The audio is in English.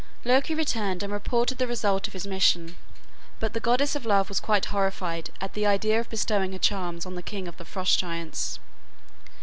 Loki returned and reported the result of his mission, but the goddess of love was quite horrified at the idea of bestowing her charms on the king of the Frost giants.